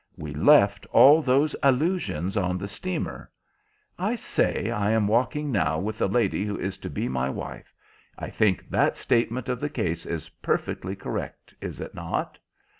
We left all those allusions on the steamer. I say I am walking now with the lady who is to be my wife. I think that statement of the case is perfectly correct, is it not?"